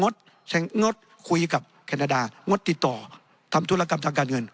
งดคุยกับแคนาดางดติดต่อทำธุรกรรมทางการเงิน